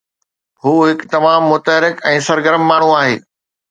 هو هڪ تمام متحرڪ ۽ سرگرم ماڻهو آهي.